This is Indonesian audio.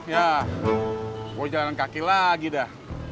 ya mau jalan kaki lagi dah